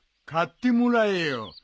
買ってもらえよ。